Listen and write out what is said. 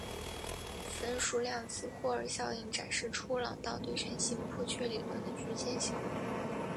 分数量子霍尔效应展示出朗道对称性破缺理论的局限性。